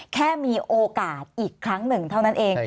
แค่มีโอกาสอีกครั้งหนึ่งเท่านั้นเอง